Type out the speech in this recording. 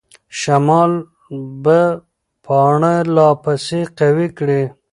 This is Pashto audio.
شمال به پاڼه لا پسې قوي کړي.